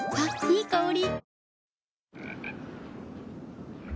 いい香り。